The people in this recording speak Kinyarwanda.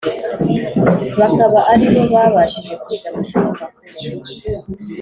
bakaba ari bo babashije kwiga amashuri makuru.